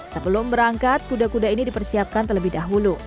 sebelum berangkat kuda kuda ini dipersiapkan terlebih dahulu